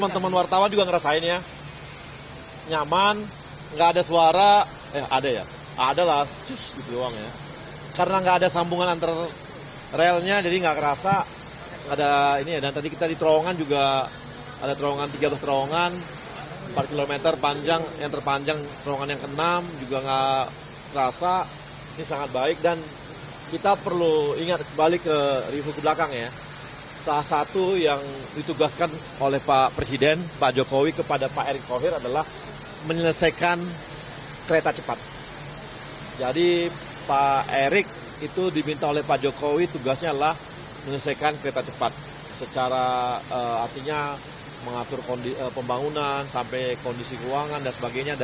kementerian bumn menyatakan target operasional tidak akan melenceng atau melebihi agustus